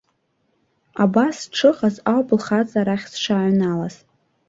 Абас дшыҟаз ауп лхаҵа арахь дшааҩналаз.